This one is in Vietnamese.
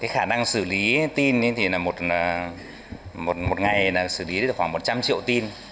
khả năng xử lý tin thì một ngày xử lý khoảng một trăm linh triệu tin